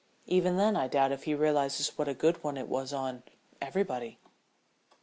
Even then I doubt if he realizes what a good one it was on everybody.